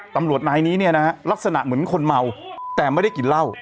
ตำรวจนายนี้เนี่ยนะฮะลักษณะเหมือนคนเมาแต่ไม่ได้กินเหล้า